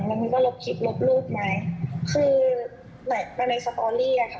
เราก็มองอยู่ดีนะคะ